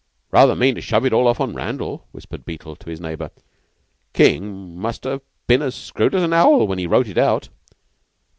"Rather mean to shove it off on Randall," whispered Beetle to his neighbor. "King must ha' been as screwed as an owl when he wrote it out."